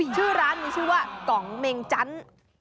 ชื่อร้านมีชื่อว่ากองเมงจันทร์